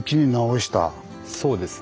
そうです。